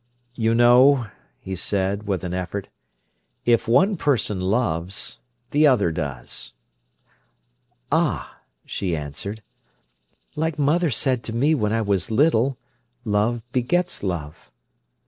"You know," he said, with an effort, "if one person loves, the other does." "Ah!" she answered. "Like mother said to me when I was little, 'Love begets love.